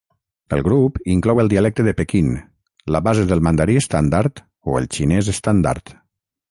El grup inclou el dialecte de Pequín, la base del mandarí estàndard o el xinès estàndard.